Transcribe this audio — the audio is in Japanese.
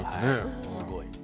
すごい。